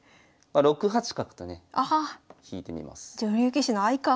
６八角とね引いてみます。